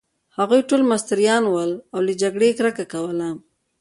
هغوی ټوله مستریان ول، او له جګړې يې کرکه کول.